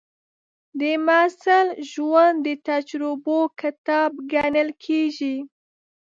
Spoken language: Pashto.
د محصل ژوند د تجربو کتاب ګڼل کېږي.